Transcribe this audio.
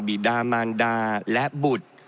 บีดามานดาร์และบุตร